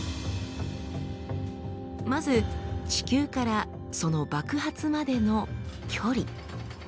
まず地球からその爆発までの距離。